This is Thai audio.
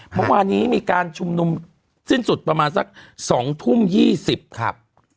เมื่อวานนี้มีการชุมนุมสิ้นสุดประมาณสัก๒ทุ่ม๒๐ครับ